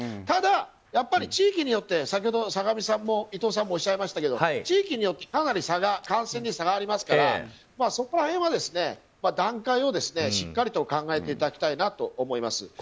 ただ、やっぱり地域によって先ほど坂上さんも伊藤さんもおっしゃいましたけど地域によってかなり感染に差がありますからそこら辺は、段階をしっかりと考えていただきたいなと思います。